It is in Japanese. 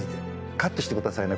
カットしてくださいね。